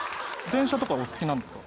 電車とか、お好きなんですか？